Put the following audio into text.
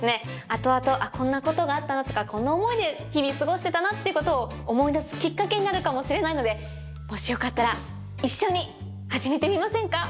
後々「こんなことがあったな」とか「こんな想いで日々過ごしてたな」ってことを思い出すきっかけになるかもしれないのでもしよかったら一緒に始めてみませんか？